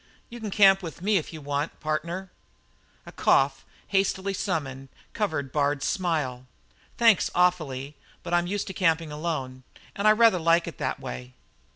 "You can camp with me if you want partner." A cough, hastily summoned, covered Bard's smile. "Thanks awfully, but I'm used to camping alone and rather like it that way."